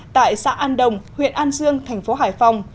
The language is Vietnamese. tại xã an đồng huyện an dương thành phố hải phòng